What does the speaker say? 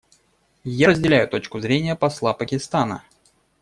Я разделяю точку зрения посла Пакистана.